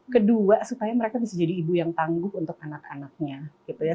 kedua supaya mereka bisa jadi ibu yang tangguh untuk anak anaknya gitu ya